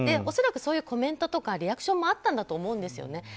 恐らくそういうコメントとかリアクションもあったと思うんですよね。